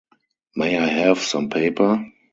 May I have some paper?